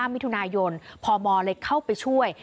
มิถุนายนพมเลยเข้าไปช่วย